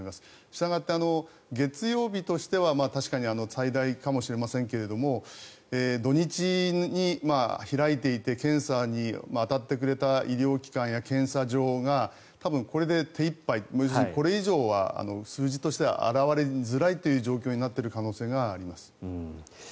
したがって、月曜日としては確かに最大かもしれませんが土日に開いていて検査に当たってくれた医療機関や検査場が多分、これで手いっぱいこれ以上は数字としては表れづらいという状況になっている可能性があります。